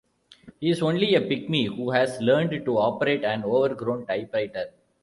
He's only a pygmy who has learned to operate an overgrown typewriter.